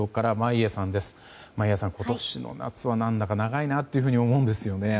眞家さん、今年の夏は何だか長いなと思うんですよね。